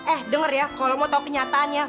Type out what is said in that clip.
eh denger ya kalo lo mau tau kenyataannya